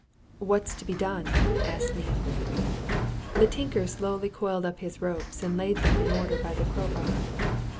"What's to be done?" asked Neale. The tinker slowly coiled up his ropes, and laid them in order by the crowbar.